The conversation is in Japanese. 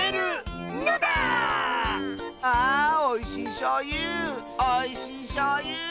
あおいしいしょうゆおいしいしょうゆ。